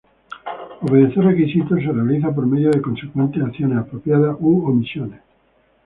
Obedecer requisitos se realiza por medio de consecuentes acciones apropiadas u omisiones.